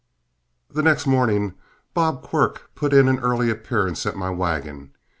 The next morning Bob Quirk put in an early appearance at my wagon.